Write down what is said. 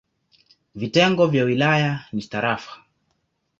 Vitengo vya wilaya ni tarafa.